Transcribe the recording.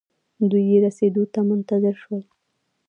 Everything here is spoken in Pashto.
دوئ يې رسېدو ته منتظر شول.